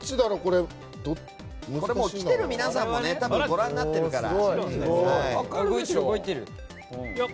来てる皆さんもご覧になってるから。